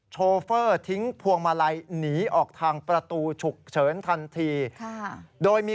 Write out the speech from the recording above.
โชเฟอร์ทิ้งพวงมาลัยหนีออกทางประตูฉุกเฉินทันทีโดยมี